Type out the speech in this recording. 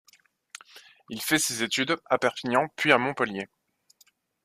Il fait ses études à Perpignan puis à Montpellier.